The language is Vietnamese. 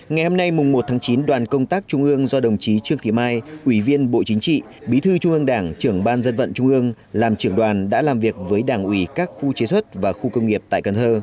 ngày hôm nay mùng một tháng chín đoàn công tác trung ương do đồng chí trương thị mai ủy viên bộ chính trị bí thư trung ương đảng trưởng ban dân vận trung ương làm trưởng đoàn đã làm việc với đảng ủy các khu chế xuất và khu công nghiệp tại cần thơ